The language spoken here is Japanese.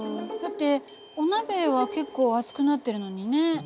だってお鍋は結構熱くなってるのにね。